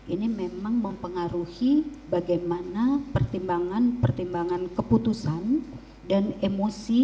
ini memang mempengaruhi bagaimana pertimbangan pertimbangan keputusan dan emosi